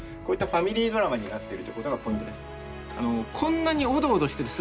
こういったファミリードラマになってるということがポイントです。